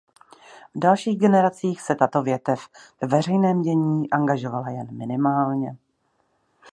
V dalších generacích se tato větev ve veřejném dění angažovala jen minimálně.